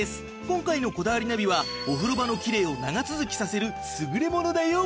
今回の『こだわりナビ』はお風呂場のきれいを長続きさせる優れものだよ！